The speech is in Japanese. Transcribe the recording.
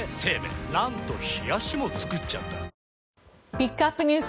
ピックアップＮＥＷＳ